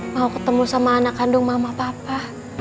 mau ketemu sama anak kandung mama papa